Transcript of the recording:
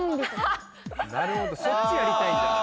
なるほどそっちやりたいんだ